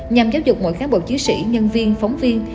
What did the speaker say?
nhằm giáo dục mỗi kháng bộ chứa sĩ nhân viên phóng viên